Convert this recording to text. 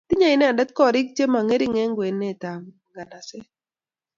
Tinyei inendet korik chemo ngering eng kwenetab nganaset